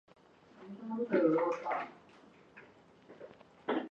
闭花木为大戟科闭花木属下的一个种。